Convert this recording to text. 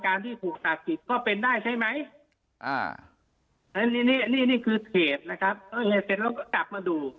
กรมกรามที่ผูกศักดิ์กรมนี้ก็เป็นได้ใช่ไหมอ่านี่คือเธสนะครับเมื่อไหร่เป็นเราก็กลับมาดู